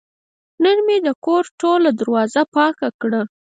نن مې د کور ټوله دروازه پاکه کړه.